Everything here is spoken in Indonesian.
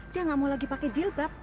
dia nggak mau lagi pakai jilbab